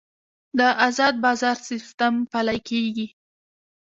د ازاد بازار سیستم پلی کیږي